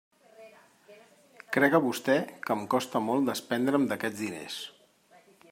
Crega vostè que em costa molt desprendre'm d'aquests diners.